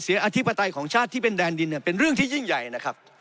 อธิปไตยของชาติที่เป็นแดนดินเนี่ยเป็นเรื่องที่ยิ่งใหญ่นะครับ